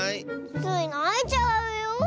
スイないちゃうよ。